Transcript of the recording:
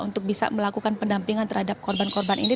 untuk bisa melakukan pendampingan terhadap korban korban ini